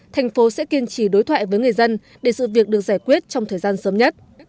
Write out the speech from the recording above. thành phố sẽ kiên trì đối thoại với người dân để sự việc được giải quyết trong thời gian sớm nhất